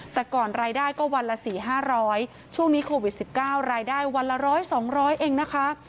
แต่ก่อนรายได้ก็วันละ๔๕๐๐ช่วงนี้โควิด๑๙รายได้วันละ๑๐๐๒๐๐เองนะคะ